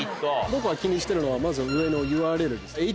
僕が気にしてるのはまず上のＵＲＬです。